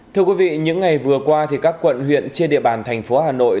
thưa quý vị những ngày vừa qua các quận huyện trên địa bàn thành phố hà nội